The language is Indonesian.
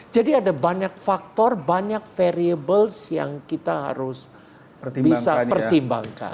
jadi ada banyak faktor banyak variables yang kita harus bisa pertimbangkan